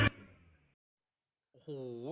เสกลาดาชะกรมยาสีวิ่งไล่